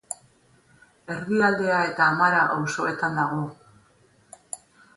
Erdialdea eta Amara auzoetan dago.